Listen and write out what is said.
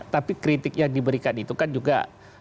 tapi kritik yang diberikan itu kan juga